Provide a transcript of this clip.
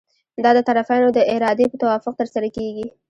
دا د طرفینو د ارادې په توافق ترسره کیږي.